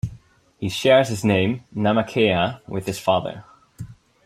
He shares his name, Namakaeha, with his father.